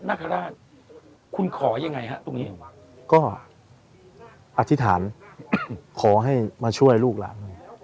คุณขอยังไงฮะตรงนี้หรือเปล่าก็อธิษฐานขอให้มาช่วยลูกหลานหนึ่ง